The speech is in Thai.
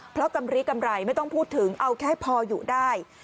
เพราะกำลีกำไรไม่ต้องพูดถึงเอาแค่พออยู่ได้